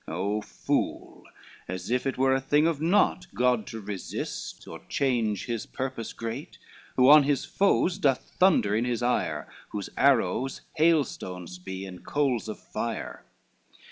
O fool! as if it were a thing of naught God to resist, or change his purpose great, Who on his foes doth thunder in his ire, Whose arrows hailstones he and coals of fire.